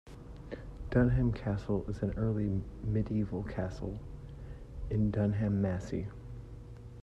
Dunham Castle is an early medieval castle in Dunham Massey.